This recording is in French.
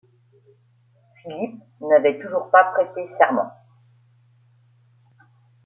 Philippe n'avait toujours pas prêté serment.